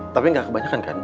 tapi gak kebanyakan kan